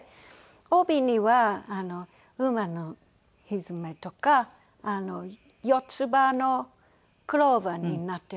帯には馬のひづめとか四つ葉のクローバーになっています。